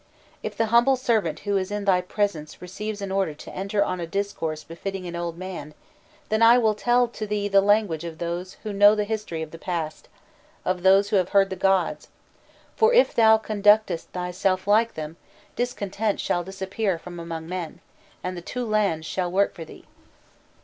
If the humble servant who is in thy presence receives an order to enter on a discourse befitting an old man, then I will tell to thee the language of those who know the history of the past, of those who have heard the gods; for if thou conductest thyself like them, discontent shall disappear from among men, and the two lands shall work for thee!